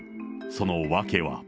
その訳は。